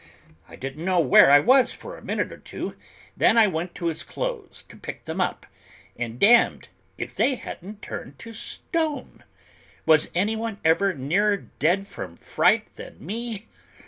I didn't know where I was for a minute or two, then I went to his clothes, to pick them up, and damned if they hadn't turned to stone! Was ever anyone nearer dead from fright than me?